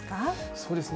そうですね。